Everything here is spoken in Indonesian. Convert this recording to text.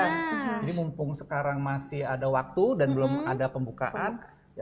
jadi mumpung sekarang masih ada waktu dan belum ada pembukaan